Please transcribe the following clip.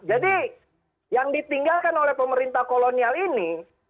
jadi yang ditinggalkan oleh pemerintah kolonial ini